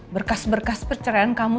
berkas berkas perceraian kamu